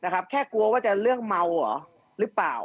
แค่กลัวว่าจะเรื่องเมาเหรอหรือเปล่า